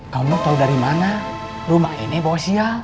kamu tau dari mana rumah ini bawa siap